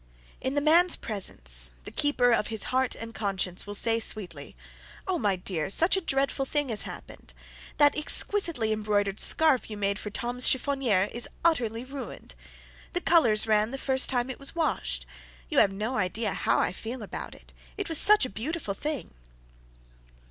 In the man's presence, the keeper of his heart and conscience will say, sweetly: "Oh, my dear, such a dreadful thing has happened! That exquisitely embroidered scarf you made for Tom's chiffonier is utterly ruined! The colours ran the first time it was washed. You have no idea how I feel about it it was such a beautiful thing!"